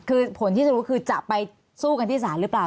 คือผลที่จะรู้คือจะไปสู้กันที่ศาลหรือเปล่า